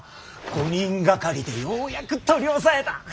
５人掛かりでようやく取り押さえた。